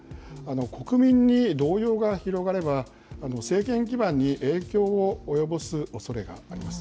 国民に動揺が広がれば、政権基盤に影響を及ぼすおそれがあります。